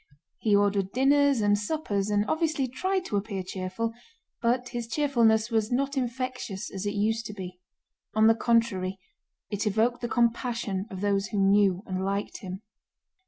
He ordered dinners and suppers and obviously tried to appear cheerful, but his cheerfulness was not infectious as it used to be: on the contrary it evoked the compassion of those who knew and liked him.